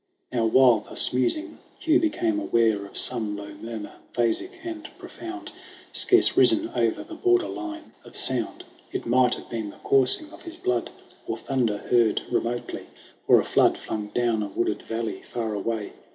Now while thus musing, Hugh became aware Of some low murmur, phasic and profound, Scarce risen o'er the border line of sound. It might have been the coursing of his blood, Or thunder heard remotely, or a flood Flung down a wooded valley far away.